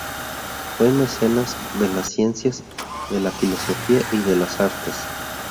Fue mecenas de las ciencias, de la filosofía y de las artes.